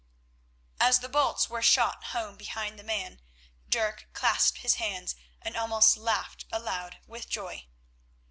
As the bolts were shot home behind the man Dirk clasped his hands and almost laughed aloud with joy.